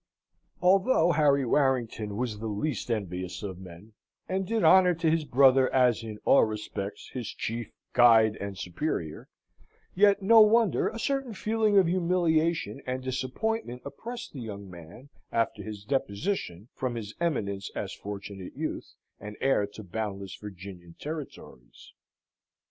Although Harry Warrington was the least envious of men, and did honour to his brother as in all respects his chief, guide, and superior, yet no wonder a certain feeling of humiliation and disappointment oppressed the young man after his deposition from his eminence as Fortunate Youth and heir to boundless Virginian territories.